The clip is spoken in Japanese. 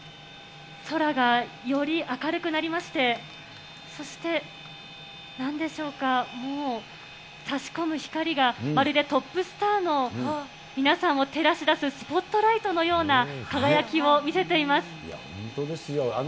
空がより明るくなりまして、そしてなんでしょうか、もう、さし込む光が、まるでトップスターの皆さんを照らし出すスポットライトのような本当ですよ。